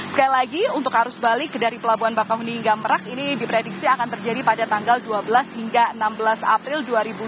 sekali lagi untuk arus balik dari pelabuhan bakahuni hingga merak ini diprediksi akan terjadi pada tanggal dua belas hingga enam belas april dua ribu dua puluh